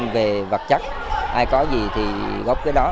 về vật chất ai có gì thì góp cái đó